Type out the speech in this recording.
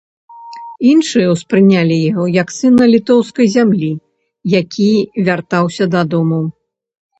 Іншыя ўспрынялі яго як сына літоўскай зямлі, які вяртаўся дадому.